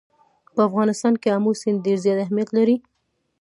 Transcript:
په افغانستان کې آمو سیند ډېر زیات اهمیت لري.